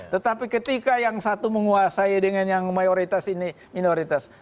tetapi ketika yang satu menguasai dengan yang mayoritas ini minoritas